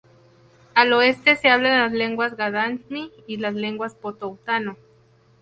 Al oeste, se hablan las lenguas ga-dangme y las lenguas potou-tano.